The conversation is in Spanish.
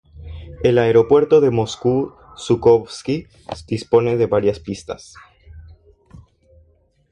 El aeropuerto de Moscú-Zhukovski dispone de varias pistas.